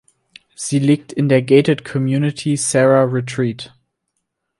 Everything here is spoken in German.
Sie liegt in der Gated Community Serra Retreat.